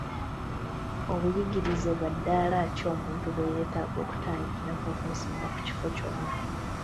Obuyigirize bwa ddaala ki omuntu bwe yeetaaga okutandikirako okwesimba ku kifo kyonna?